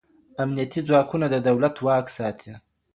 امنيتي ځواکونه د دولت واک ساتي.